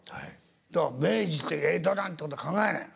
だから明治って江戸なんてこと考えないの。